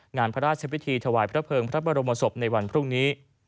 งานพระราชพิธีถวายพระเภิงพระบรมศพในวันพรุ่งนี้